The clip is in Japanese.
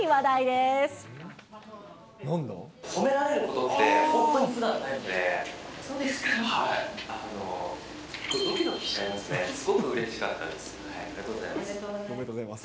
すごくうれしかったです。